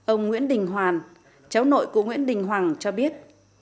ông nguyễn đình hoàn cháu nội của nguyễn đình hoàng cho biết